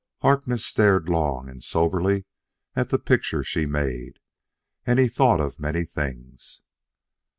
Harkness stared long and soberly at the picture she made, and he thought of many things.